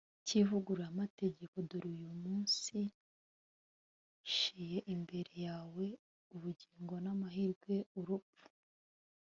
cy'ivugururamategeko « dore uyu munsi nshyize imbere yawe ubugingo n'amahirwe, urupfu